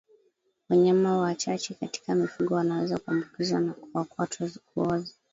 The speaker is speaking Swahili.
Wanyama wachache katika mifugo wanaweza kuambukizwa wa kwato kuoza